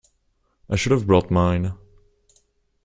I should have brought mine.